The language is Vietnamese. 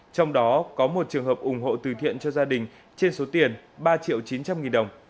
trong đó có một trường hợp ủng hộ từ thiện cho gia đình trên số tiền ba triệu chín trăm linh nghìn đồng